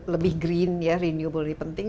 lebih green ya renewable ini penting